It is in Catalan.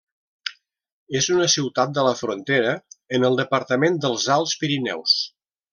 És una ciutat de la frontera, en el departament dels Alts Pirineus.